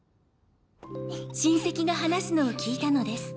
親戚が話すのを聞いたのです。